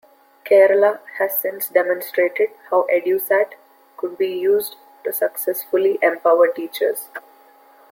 Kerala has since demonstrated how Edusat could be used to successfully empower teachers.